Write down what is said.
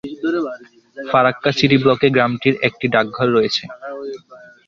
Farakka CD ব্লকে গ্রামটির একটি ডাকঘর রয়েছে।